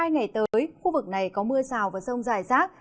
hai ngày tới khu vực này có mưa rào và rông dài rác